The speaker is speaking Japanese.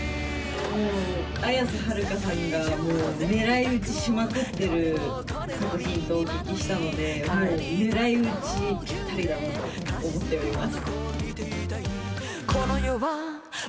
綾瀬はるかさんが、もう狙い撃ちしまくってる作品とお聞きしたので、もう狙いうち、ぴったりだなと思っております。